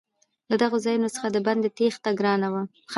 له دغو ځایونو څخه د بندي تېښته ګرانه وه.